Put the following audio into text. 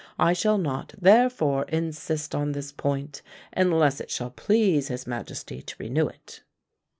I shall not, therefore, insist on this point, unless it shall please his majesty to renew it."